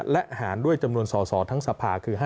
และหารด้วยจำนวนสอสอทั้งสภาคือ